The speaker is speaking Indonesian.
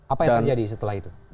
apa yang terjadi setelah itu